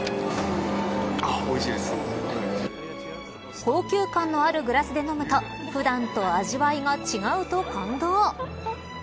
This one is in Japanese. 高級感のあるグラスで飲むと普段と味わいが違うと感動。